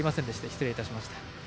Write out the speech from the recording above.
失礼いたしました。